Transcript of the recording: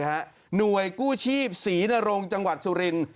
หน่วยกู้ชีพศรีนรงจังหวัดสุรินทร์